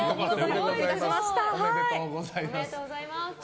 おめでとうございます。